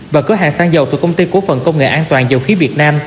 và cửa hàng xăng dầu từ công ty cổ phần công nghệ an toàn dầu khí việt nam